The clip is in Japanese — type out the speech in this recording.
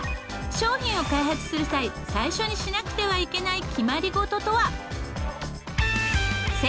商品を開発する際最初にしなくてはいけない決まり事とは？